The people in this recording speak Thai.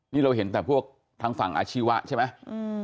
นี่เราเห็นแต่พวกทางฝั่งอาชีวะใช่ไหม